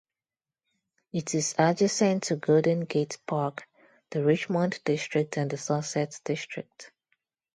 It is adjacent to Golden Gate Park, the Richmond District, and the Sunset District.